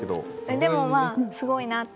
でも、すごいなって。